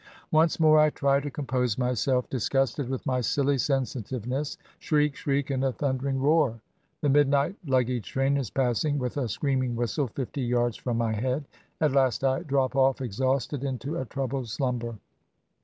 Once more I try to compose myself, disgusted with my silly sensitiveness. Shriek, shriek, and a thundering roar! The midnight luggage train is passing with a screaming whistle fifty yards from my head. At last I drop off exhausted into a troubled slumber.